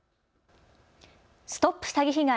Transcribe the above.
ＳＴＯＰ詐欺被害！